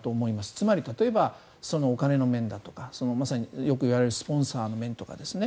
つまり例えば、お金の面だとかよくいわれるスポンサーの面とかですね。